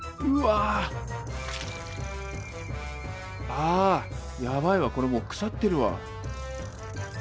ああやばいわこれもう腐ってるわ。